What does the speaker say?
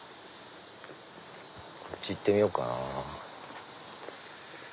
こっち行ってみようかな。